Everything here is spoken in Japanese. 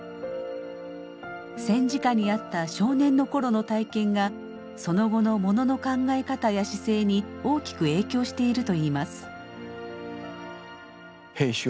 戦時下にあった少年の頃の体験がその後のものの考え方や姿勢に大きく影響しているといいます。